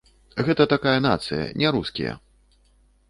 Гэта такая нацыя, не рускія.